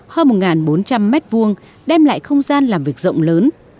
hơn một bốn trăm linh m hai đem lại không gian làm việc rộng lớn